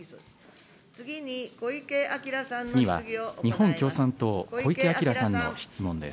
次は日本共産党、小池晃さんの質問です。